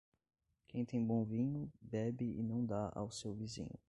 Quem tem bom vinho, bebe e não dá ao seu vizinho.